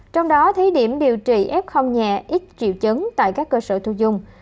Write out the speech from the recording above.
trong đó thí điểm điều trị f nhẹ ít triệu chứng tại các cơ sở thu dung